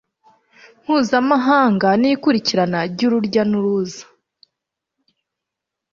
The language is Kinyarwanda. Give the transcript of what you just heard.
mpuzamahanga n ikurikirana ry urujya n uruza